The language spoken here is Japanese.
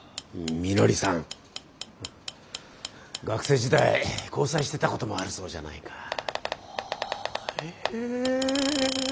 学生時代交際してたこともあるそうじゃないか。